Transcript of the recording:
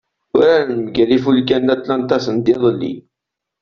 Uraren mgal Ifulka n Atlanta sendiḍelli.